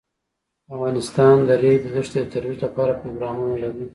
افغانستان د د ریګ دښتې د ترویج لپاره پروګرامونه لري.